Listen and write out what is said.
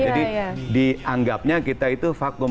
jadi dianggapnya kita itu vakum